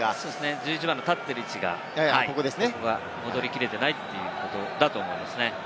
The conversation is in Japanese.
１１番の立っている位置が戻りきれていないということだと思います。